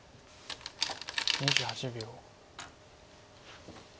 ２８秒。